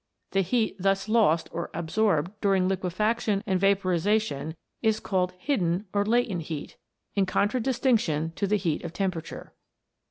The heat thus lost or ab sorbed during liquefaction and vaporization is called hidden or latent heat, in contradistinction to the heat of temperature.